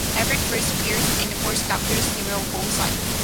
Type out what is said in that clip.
Adric first appears in the Fourth Doctor serial "Full Circle".